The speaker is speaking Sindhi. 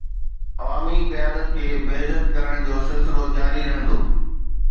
عوامي قيادت کي بي عزت ڪرڻ جو سلسلو جاري رهندو.